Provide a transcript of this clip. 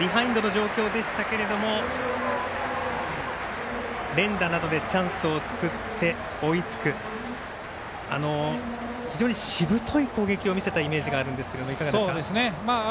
ビハインドの状況でしたけれども連打などでチャンスを作って追いつく、非常にしぶとい攻撃を見せたイメージがあります。